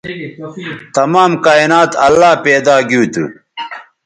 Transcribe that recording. تمام کائنات اللہ پیدا گیو تھو